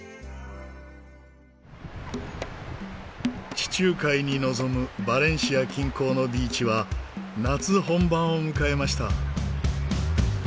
地中海に臨むバレンシア近郊のビーチは夏本番を迎えました。